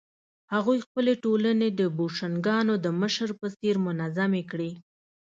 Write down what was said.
هغوی خپلې ټولنې د بوشونګانو د مشر په څېر منظمې کړې.